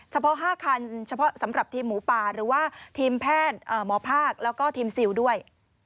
เฉพาะ๕คันเฉพาะสำหรับทีมหมูป่าหรือว่าทีมแพทย์หมอภาคแล้วก็ทีมซิลด้วย